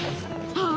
ああ！